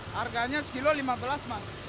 harganya sekilo lima belas mas